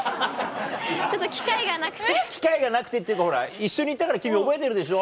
機会がなくてっていうか一緒に行ったから君覚えてるでしょ。